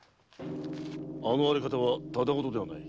あの荒れ方はただごとではない。